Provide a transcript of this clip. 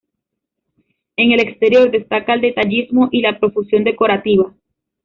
En el exterior, destaca el detallismo y la profusión decorativa.